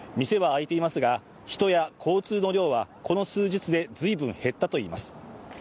店は開いていますが人や交通の量はこの数日で随分減ったといいます。